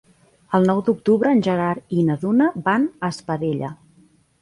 El nou d'octubre en Gerard i na Duna van a Espadella.